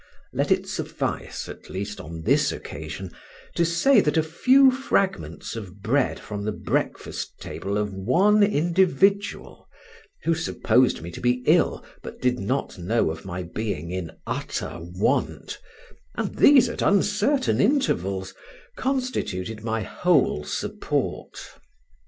Let it suffice, at least on this occasion, to say that a few fragments of bread from the breakfast table of one individual (who supposed me to be ill, but did not know of my being in utter want), and these at uncertain intervals, constituted my whole support.